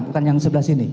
bukan yang sebelah sini